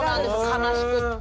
悲しくって。